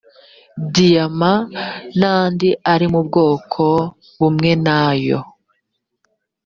diyama n andi ari mu bwoko bumwe nayo